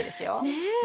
ねえ。